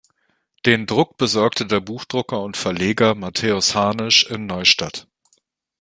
Den Druck besorgte der Buchdrucker und Verleger Matthäus Harnisch in Neustadt.